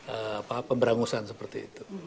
apa apa berangusan seperti itu